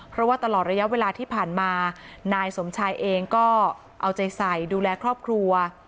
เพราะว่าตลอดระยะเวลาที่ผ่านมานายสมชายเองก็เอาใจใส่ดูแลครอบครัว